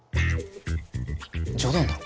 冗談だろ？